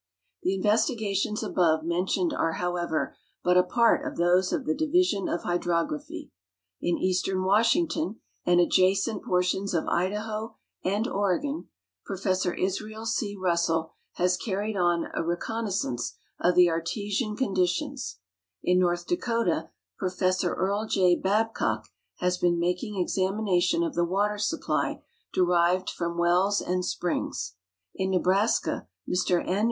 The investigations above mentioned are, however, but a part of those of the Division of H}^drography. In eastern Washington and adjacent portions of Idaho and Oregon Professor Israel C. Russell has carried on a reconnaissance of the artesian condi tions; in North Dakota Professor Earle J. Babcock has been making examination of tlie water supply derived from wells and springs; in Nebraska Mr N.